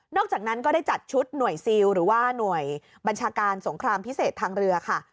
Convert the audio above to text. อกจากนั้นก็ได้จัดชุดหน่วยซิลหรือว่าหน่วยบัญชาการสงครามพิเศษทางเรือค่ะ